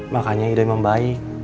makanya idoi membaik